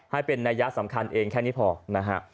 ให้เป็นนัยยะสำคัญเองแค่นี้พอนะฮะ